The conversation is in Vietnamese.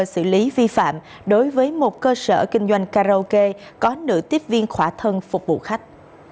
xử lý vi phạm đối với một cơ sở kinh doanh karaoke có nữ tiếp viên khỏa thân phục vụ khách